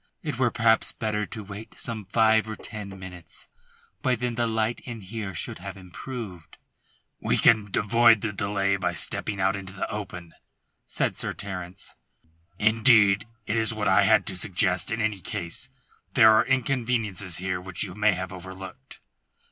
"It were perhaps better to wait some five or ten minutes, by then the light in here should have improved." "We can avoid the delay by stepping out into the open," said Sir Terence. "Indeed it is what I had to suggest in any case. There are inconveniences here which you may have overlooked."